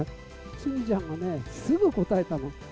スミちゃんはね、すぐ答えたの。